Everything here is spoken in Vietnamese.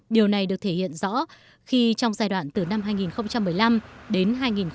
điều này được thể hiện rõ khi trong giai đoạn từ năm hai nghìn một mươi năm đến hai nghìn một mươi tám